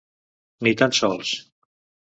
Ni tan sols.